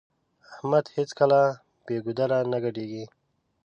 احمد هيڅکله بې ګودره نه ګډېږي.